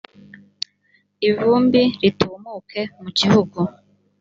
ivumbi ritumuke mu gihugu